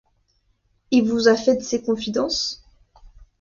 Il vous a fait ses confidences ?